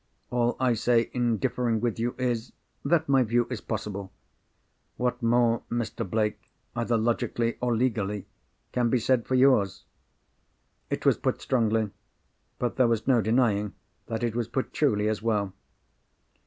All I say, in differing with you, is—that my view is possible. What more, Mr. Blake, either logically, or legally, can be said for yours?" It was put strongly; but there was no denying that it was put truly as well.